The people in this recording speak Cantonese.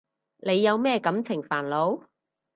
你有咩感情煩惱？